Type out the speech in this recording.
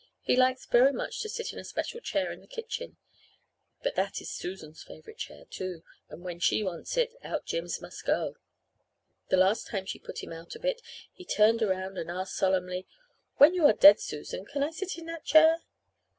He likes very much to sit in a special chair in the kitchen; but that is Susan's favourite chair, too, and when she wants it, out Jims must go. The last time she put him out of it he turned around and asked solemnly, 'When you are dead, Susan, can I sit in that chair?'